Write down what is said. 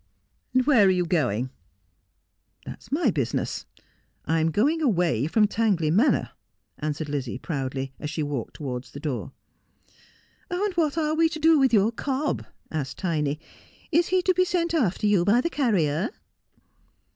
' Where are you going ?' 'That is my business. I am going away from Tangley Manor,' answered Lizzie proudly, as she walked towards the door. ' What are we to do with your cob 1 ' asked Tiny. ' Is he to be sent after you by the carrier